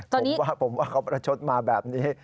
ผมว่าผมว่าเขาประชดมาแบบนี้